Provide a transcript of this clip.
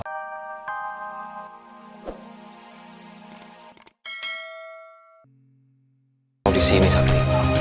kau di sini sabdi